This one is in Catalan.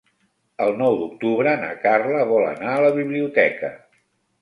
El nou d'octubre na Carla vol anar a la biblioteca.